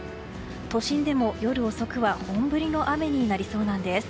都心でも夜遅くは本降りの雨になりそうなんです。